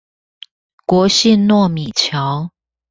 國姓糯米橋